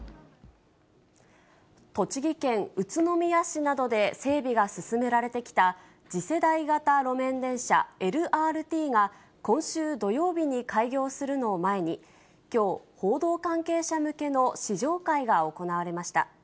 栃木県宇都宮市などで整備が進められてきた次世代型路面電車・ＬＲＴが、今週土曜日に開業するのを前に、きょう、報道関係者向けの試乗会が行われました。